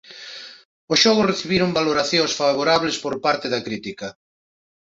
Os xogos recibiron valoracións favorables por parte da crítica.